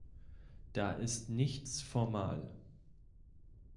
Da ist nichts formal.